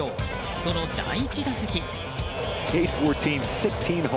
その第１打席。